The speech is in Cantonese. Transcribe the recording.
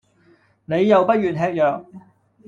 你又不願吃藥